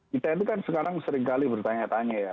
kita itu kan sekarang seringkali bertanya tanya ya